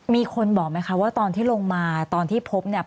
มีคนบอกไหมคะว่าตอนที่ลงมาตอนที่พบเนี่ย